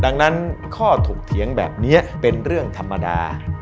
ดังนั้นข้อถกเถียงแบบนี้เป็นเรื่องธรรมดา